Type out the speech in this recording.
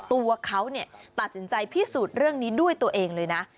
ตัวเขาตัดสินใจพิสูจน์เรื่องนี้ด้วยตัวเองเลยนะ